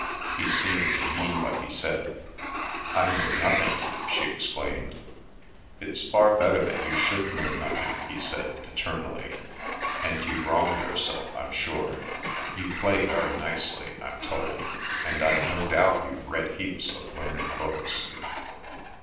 He seemed to mean what he said. "I know nothing!" she exclaimed. "It's far better that you should know nothing," he said paternally, "and you wrong yourself, I'm sure. You play very nicely, I'm told, and I've no doubt you've read heaps of learned books."